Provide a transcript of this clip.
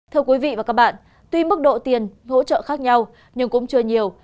thưa quý vị và các bạn tuy mức độ tiền hỗ trợ khác nhau nhưng cũng chưa nhiều